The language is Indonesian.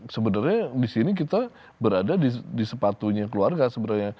sebenarnya di sini kita berada di sepatunya keluarga sebenarnya